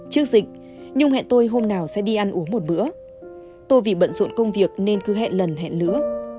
trước dịch nhung hẹn tôi hôm nào sẽ đi ăn uống một bữa tôi vì bận rộn công việc nên cứ hẹn lần hẹn nữa